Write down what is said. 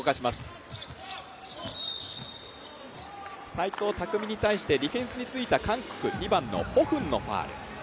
齋藤拓実に対してディフェンスについた韓国ホ・フンのファウル。